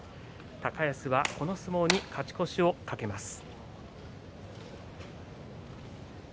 高安はこの一番に勝ち越しを懸けます。